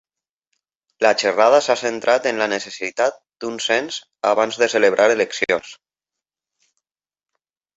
La xerrada s'ha centrat en la necessitat d'un cens abans de celebrar eleccions.